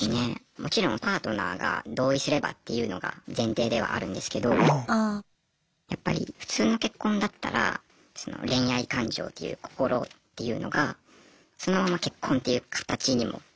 もちろんパートナーが同意すればっていうのが前提ではあるんですけどやっぱり普通の結婚だったらその恋愛感情っていう心っていうのがそのまま結婚っていう形にもつながっていくと思うんですけど。